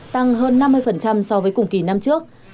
tăng hơn năm mươi so với cùng kỳ năm trước